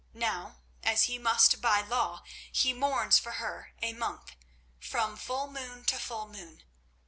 Now, as he must by law, he mourns for her a month, from full moon to full moon.